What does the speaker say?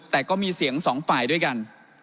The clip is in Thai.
แต่ก็มีเสียงสองฝ่ายด้วยกัน